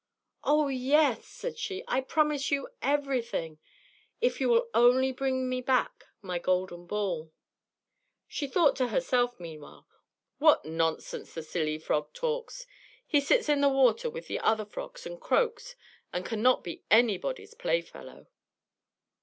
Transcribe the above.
"Oh, yes!" said she; "I promise you everything, if you will only bring me back my golden ball." She thought to herself, meanwhile: "What nonsense the silly frog talks! He sits in the water with the other frogs, and croaks, and can not be anybody's playfellow!"